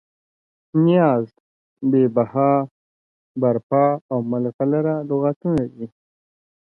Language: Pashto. نیاز، بې بها، برپا او ملغلره لغتونه دي.